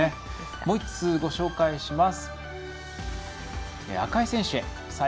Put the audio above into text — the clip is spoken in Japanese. もう１通ご紹介します。